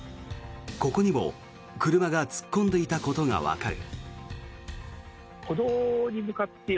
ここにも車が突っ込んでいたことがわかる。